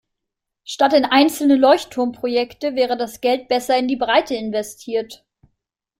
Statt in einzelne Leuchtturmprojekte wäre das Geld besser in der Breite investiert.